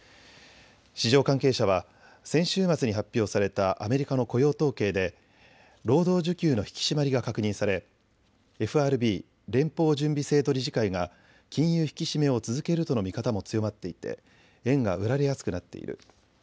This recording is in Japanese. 市場関係者は先週末に発表されたアメリカの雇用統計で労働需給の引き締まりが確認されＦＲＢ・連邦準備制度理事会が金融引き締めを続けるとの見方も強まっていて円が売られやすくなっている。